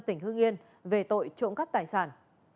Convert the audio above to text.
tỉnh hương yên về tội trộm cắt tài sản